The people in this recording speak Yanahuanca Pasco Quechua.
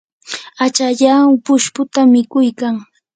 achallaw pushputa mikuykan.